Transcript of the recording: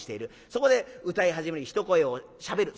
そこで歌い始めに一声をしゃべる。